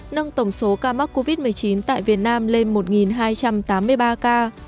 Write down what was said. nâng tổng số ca mắc covid một mươi chín tại việt nam lên một hai trăm tám mươi ba ca